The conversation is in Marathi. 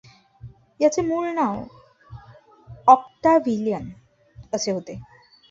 याचे मूळ नाव ऑक्टाव्हियन असे होते.